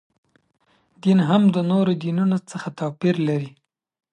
دین هم د نورو دینونو څخه توپیر لري.